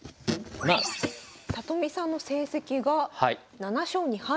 里見さんの成績が７勝２敗。